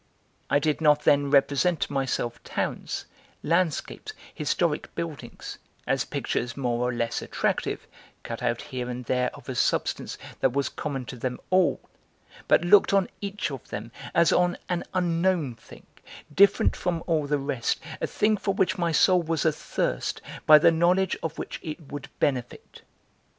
I did not then represent to myself towns, landscapes, historic buildings, as pictures more or less attractive, cut out here and there of a substance that was common to them all, but looked on each of them as on an unknown thing, different from all the rest, a thing for which my soul was athirst, by the knowledge of which it would benefit.